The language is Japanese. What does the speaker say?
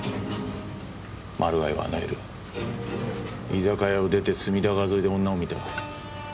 マルガイはあの夜居酒屋を出て隅田川沿いで女を見た。